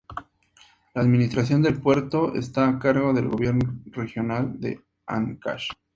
La administración del puerto está a cargo del Gobierno Regional de Áncash.